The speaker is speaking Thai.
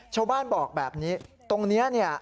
ชาวบ้านบอกแบบนี้ตรงนี้เนี่ย